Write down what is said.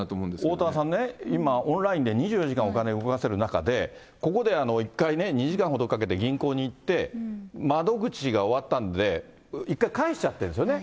おおたわさんね、今、オンラインで、２４時間お金動かせる中で、ここで一回ね、２時間ほどかけて銀行に行って、窓口が終わったんで、一回帰しちゃってるんですよね。